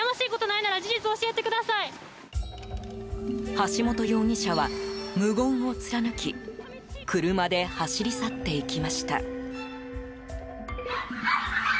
橋本容疑者は無言を貫き車で走り去っていきました。